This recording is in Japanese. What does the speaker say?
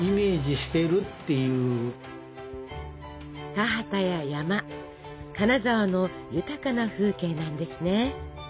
田畑や山金沢の豊かな風景なんですね。